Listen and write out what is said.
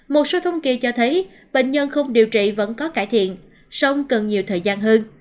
một số thông kỳ cho thấy bệnh nhân không điều trị vẫn có cải thiện song cần nhiều thời gian hơn